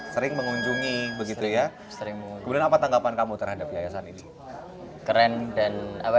sering mengunjungi begitu ya sering kemudian apa tanggapan kamu terhadap yayasan ini keren dan apa